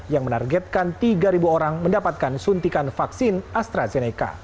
yang menargetkan tiga orang mendapatkan suntikan vaksin astrazeneca